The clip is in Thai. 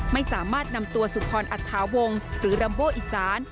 ไม่สามารถนำตัวสุพรอัฐาวงศ์หรือรัมโบอีสาน